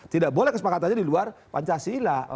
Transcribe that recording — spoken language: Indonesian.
tidak boleh kesepakatannya di luar pancasila